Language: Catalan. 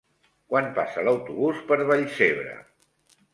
Quan passa l'autobús per Vallcebre?